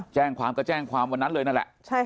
แจ้งความก็แจ้งความวันนั้นเลยนั่นแหละ